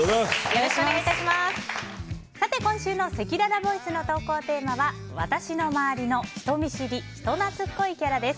今週のせきららボイスの投稿テーマは私の周りの人見知り・人懐っこいキャラです。